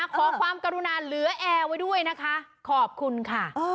ขอความกรุณาเหลือแอร์ไว้ด้วยนะคะขอบคุณค่ะ